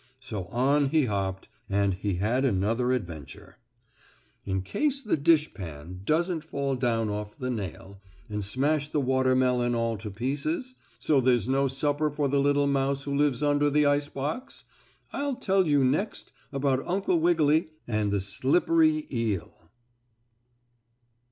So on he hopped, and he had another adventure. In case the dishpan doesn't fall down off the nail, and smash the watermelon all to pieces, so there's no supper for the little mouse who lives under the ice box, I'll tell you next about Uncle Wiggily and the slippery eel.